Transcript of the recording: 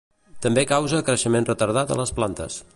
També causa creixement retardat a les plantes.